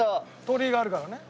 鳥居があるからね。